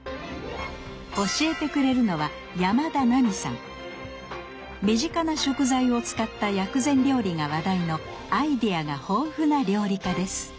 教えてくれるのは身近な食材を使った薬膳料理が話題のアイデアが豊富な料理家です